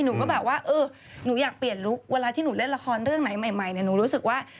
หนูก็แบบว่าเออหนูอยากเปลี่ยนลุคเวลาที่หนูเล่นละครเรื่องไหนใหม่เนี่ยหนูรู้สึกว่า